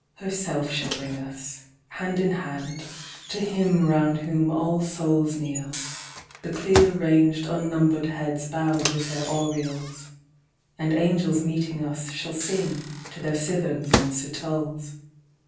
"Herself shall bring us, hand in hand, To Him round whom all soulsKneel, the clear ranged unnumber'd headsBow'd with their aureoles:And angels meeting us shall singTo their citherns and citoles.